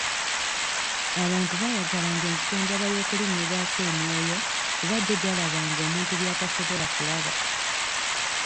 Abantu baayagalanga enzijanjaba y'okulinnyibwako emyoyo kuba gyo gyalabanga omuntu by'atasobola kulaba.